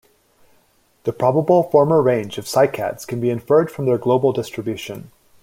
The probable former range of cycads can be inferred from their global distribution.